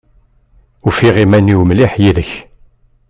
Ufiɣ uman-iw mliḥ yid-k.